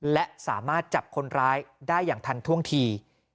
และสามารถจับคนร้ายได้อย่างทันท่วงที